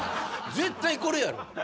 絶対これやろ。